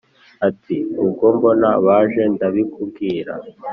ati : ubwo mbona baje ndabikubwira